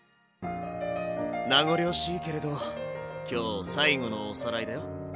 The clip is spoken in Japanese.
名残惜しいけれど今日最後のおさらいだよ。